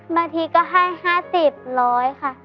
บางทีก็ให้ห้าสิบร้อยค่ะ